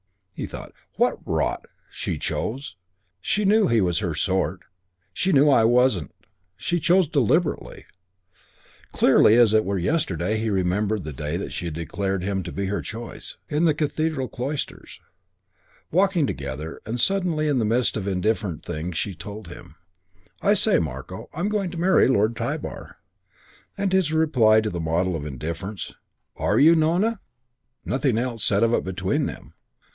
He thought, "What rot! She chose. She knew he was her sort. She knew I wasn't. She chose deliberately...." Clearly, as it were yesterday, he remembered the day she had declared to him her choice. In the Cathedral cloisters. Walking together. And suddenly, in the midst of indifferent things, she told him, "I say, Marko, I'm going to marry Lord Tybar." And his reply, the model of indifference. "Are you, Nona?" Nothing else said of it between them.